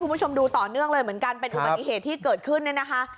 คุณผู้ชมดูต่อเนื่องเลยเหมือนกันเป็นอุบัติเหตุที่เกิดขึ้นเนี่ยนะคะ